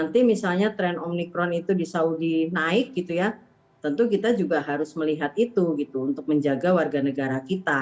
dia berkulit naik itu ya tentu kita juga harus melihat itu gitu untuk menjaga warga negara kita